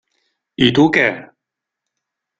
I tu què?